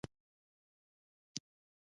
د دلاسایي په دود مې پر اوږه یې لاس کېښود.